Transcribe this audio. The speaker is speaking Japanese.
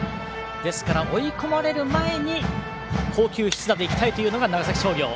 ですから、追い込まれる前に好球必打でいきたいのが長崎商業。